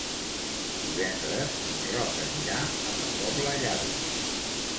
Divendres en Roc anirà a la Pobla Llarga.